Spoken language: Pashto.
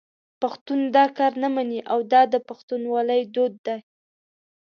پښتون دا کار نه مني او دا د پښتونولي دود دی.